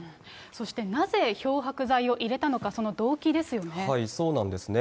そしてなぜ、漂白剤を入れたそうなんですね。